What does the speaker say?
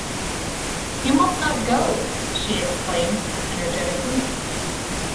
‘You must not go!’ she exclaimed, energetically.